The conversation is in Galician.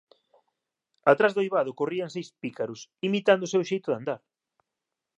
Atrás do eivado corrían seis pícaros, imitando o seu xeito de andar.